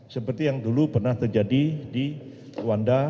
seperti yang dulu pernah terjadi di wanda